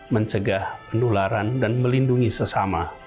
mencegah penularan dan melindungi sesama